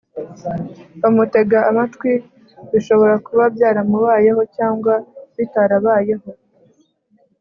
bamutega amatwi, bishobora kuba byarabayeho cyangwa bitarabayeho,